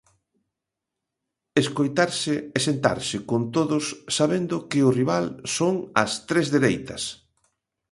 Escoitarse e sentarse con todos sabendo que o rival son as tres dereitas.